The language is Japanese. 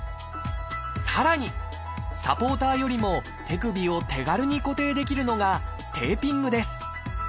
さらにサポーターよりも手首を手軽に固定できるのがテーピングです。